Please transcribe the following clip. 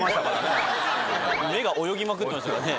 目が泳ぎまくってましたからね。